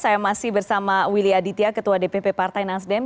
saya masih bersama willy aditya ketua dpp partai nasdem